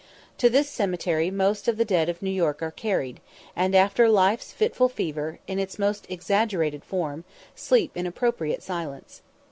To this cemetery most of the dead of New York are carried, and after "life's fitful fever," in its most exaggerated form, sleep in appropriate silence.